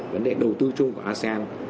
vấn đề đầu tư chung của asean